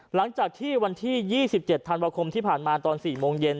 หลังจากที่วันที่๒๗ธันวาคมที่ผ่านมาตอน๔โมงเย็น